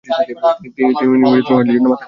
তিনি হজ্জের জন্য মাথা কামাচ্ছেন।